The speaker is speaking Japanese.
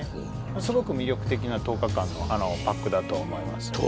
すごく魅力的な１０日間のパックだと思いますよ